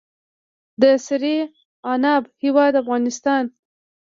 د سرې عناب هیواد افغانستان.